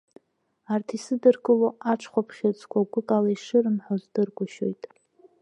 Арҭ исыдыркыло аҽхәаԥхьыӡқәа гәыкала ишырымҳәо здыргәышьоит.